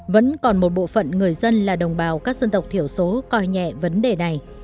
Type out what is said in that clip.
vẫn còn một bộ phận người dân là đồng bào các dân tộc thiểu số coi nhẹ vấn đề này